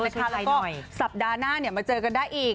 แล้วก็สัปดาห์หน้ามาเจอกันได้อีก